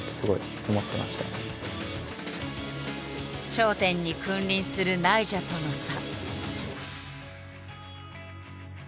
頂点に君臨するナイジャとの差。